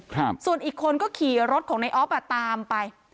ครับส่วนอีกคนก็ขี่รถของในออฟอ่ะตามไป